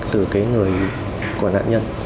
từ người của nạn nhân